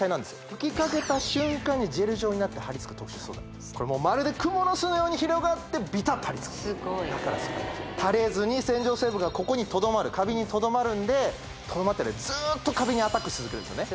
吹きかけた瞬間にジェル状になって張り付く特殊素材まるでクモの巣のように広がってビタッと張り付くだからスパイダージェルたれずに洗浄成分がここにとどまるカビにとどまるんでとどまってずーっとカビにアタックし続けるんですよね